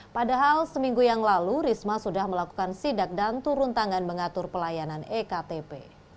padahal seminggu yang lalu risma sudah melakukan sidak dan turun tangan mengatur pelayanan ektp